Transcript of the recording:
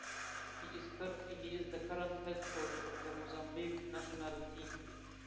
He is the current head coach of the Mozambique national team.